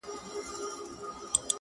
د چا فکر، د چا لاس د چا ضمير دی